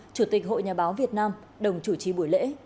chủ tịch hội nhà báo việt nam đồng chủ trì buổi lễ